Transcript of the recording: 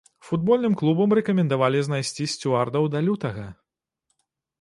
Футбольным клубам рэкамендавалі знайсці сцюардаў да лютага.